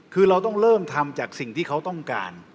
คือเราต้องเริ่มทำจากสิ่งที่เขาต้องการ